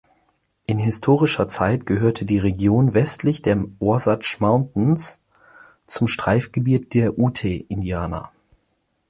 In historischer Zeit gehörte die Region westlich der Wasatch Mountains zum Streifgebiet der Ute-Indianer.